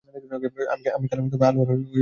আমি কাল আলোয়ার হয়ে খেতড়ি যাচ্ছি।